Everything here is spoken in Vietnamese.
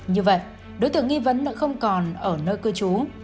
như vậy đối tượng nghi vấn đã không còn ở nơi cư trú